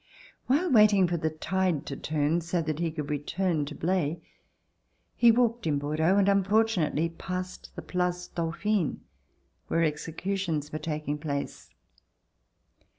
While waiting for the tide to turn, so that he could return to Blaye, he walked in Bordeaux, and unfortunately passed the Place Dau phine where executions were taking place.